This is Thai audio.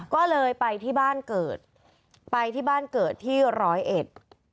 ก็เลยไปที่บ้านเกิดไปที่บ้านเกิดที่ร้อยเอ็ด